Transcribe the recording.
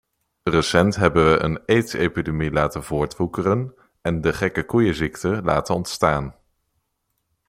Recent hebben we een aids-epidemie laten voortwoekeren en de gekke koeienziekte laten ontstaan.